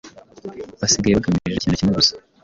Basigaye bagamije ikintu kimwe gusa